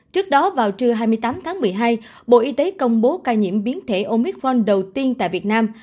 trước đó vào trưa hai mươi tám tháng một mươi hai bộ y tế công bố ca nhiễm biến thể omicron đầu tiên tại việt nam